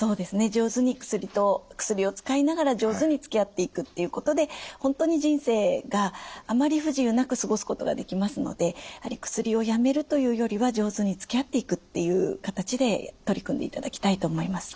上手に薬と薬を使いながら上手につきあっていくっていうことで本当に人生があまり不自由なく過ごすことができますので薬をやめるというよりは上手につきあっていくっていう形で取り組んでいただきたいと思います。